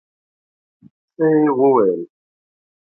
څه يې وويل.